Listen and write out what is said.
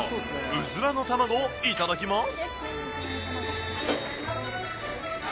うずらの卵を頂きます。